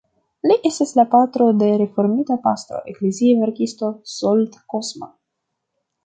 Li estis la patro de reformita pastro, eklezia verkisto Zsolt Kozma.